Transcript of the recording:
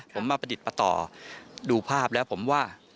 ผมมาประดิษฐ์ประต่อดูภาพแล้วผมว่า